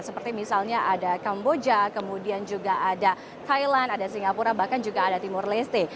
seperti misalnya ada kamboja kemudian juga ada thailand ada singapura bahkan juga ada timur leste